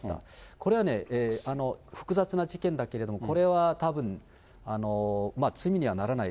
これはね、複雑な事件だけれども、これはたぶん、罪にはならない。